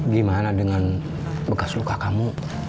gimana dengan bekas luka kamu